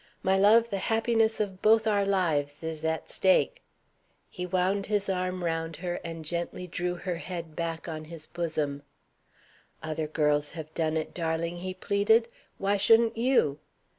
My love, the happiness of both our lives is at stake." He wound his arm round her, and gently drew her head back on his bosom, "Other girls have done it, darling," he pleaded, "why shouldn't you?"